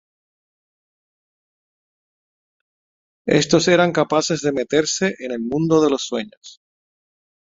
Estos eran capaces de meterse en el Mundo de los Sueños.